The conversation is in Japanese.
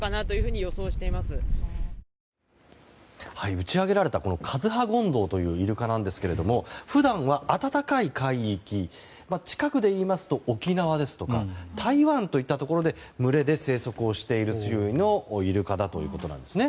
打ち揚げられたこのカズハゴンドウというイルカなんですけれども普段は、暖かい海域近くでいいますと、沖縄ですとか台湾といったところで群れで生息をしているというイルカだということなんですね。